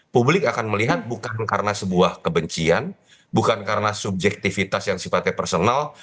publik akan melihat bukan karena sebuah kebencian bukan karena subjektivitas yang sifatnya personal